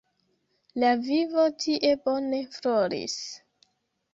La vivo tie bone floris.